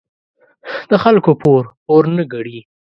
د خلکو پور، پور نه گڼي.